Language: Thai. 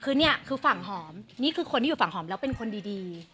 คือเนี่ยคือฝั่งหอมนี่คือคนที่อยู่ฝั่งหอมแล้วเป็นคนดี